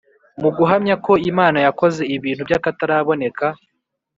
mu guhamya ko imana yakoze ibintu by’akataraboneka